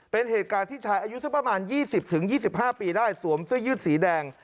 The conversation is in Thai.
เป็นเหตุการณ์ที่ชายอายุสักประมาณ๒๐๒๕ปีได้สวมเสื้อยืดสีแดง